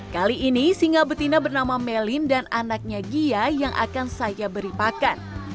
kali ini singa betina bernama melin dan anaknya gia yang akan saya beri pakan